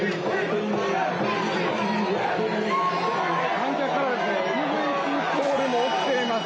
観客からはＭＶＰコールも起きています。